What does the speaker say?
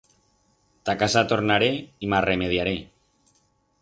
Ta casa tornaré y m'arremediaré.